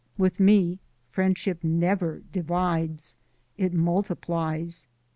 With me friendship never divides: it multiplies.